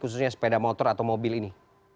khususnya sepeda motor atau mobil ini